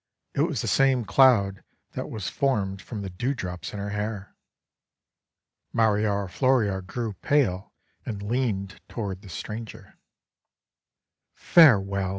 It was the same cloud that was formed from the dewdrops in her hair. Mariora Floriora grew pale, and leaned toward the stranger. "Farewell!